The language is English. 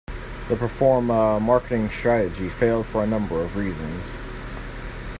The Performa marketing strategy failed for a number of reasons.